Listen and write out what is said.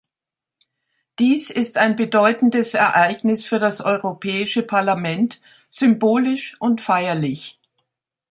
Dies ist ein bedeutendes Ereignis für das Europäische Parlament, symbolisch und feierlich.